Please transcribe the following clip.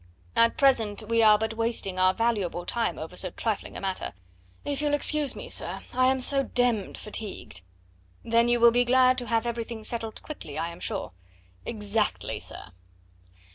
"At present we are but wasting our valuable time over so trifling a matter.... If you'll excuse me, sir... I am so demmed fatigued " "Then you will be glad to have everything settled quickly, I am sure." "Exactly, sir."